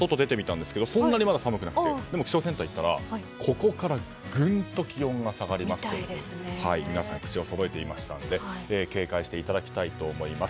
だけど気象センターに行ったらここからぐんと気温が下がりますと皆さん口をそろえていましたので警戒していただきたいと思います。